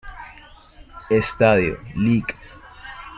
Estadio Lic.